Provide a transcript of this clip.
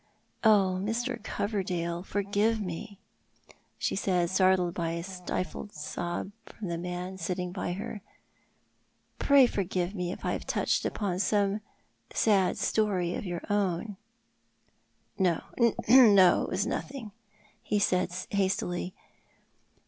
Oh, Mr. Coverdale, forgive me," she said, startled by a stifled sob from the man sitting by her side; "pray forgive me if I have touched upon some sad story of your own " "No, no; it was nothing," he said, hastily.